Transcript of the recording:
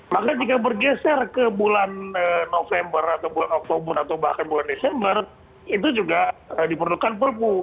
maka jika bergeser ke bulan november atau bulan oktober atau bahkan bulan desember itu juga diperlukan perpu